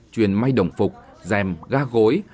truyền may đồng phục dèm ga gối